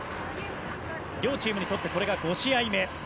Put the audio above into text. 両チームにとってこれが５試合目。